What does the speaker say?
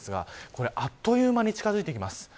これ、あっという間に近付いてきます。